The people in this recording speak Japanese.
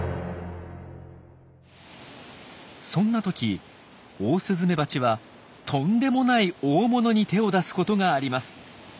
そんな時オオスズメバチはとんでもない大物に手を出すことがあります。